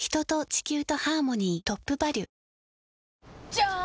じゃーん！